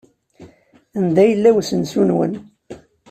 Anda yella usensu-nwen?